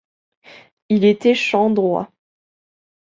Il était champ droit.